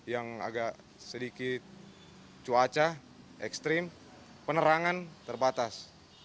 yang agak sedikit cuaca ekstrim penerangan terbatas